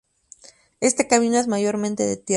Este camino es mayormente de tierra.